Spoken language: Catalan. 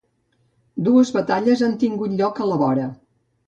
Dues batalles han tingut lloc a la vora.